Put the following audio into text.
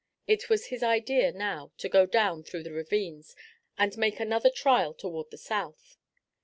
It was his idea now to go down through the ravines and make another trial toward the South.